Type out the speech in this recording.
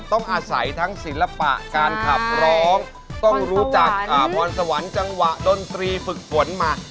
ทั้งศิลปะการขับร้องต้องรู้จักวรรษวรรณจังหวะดนตรีฝึกฝนมา